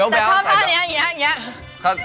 แต่ชอบท่านี้อย่างนี้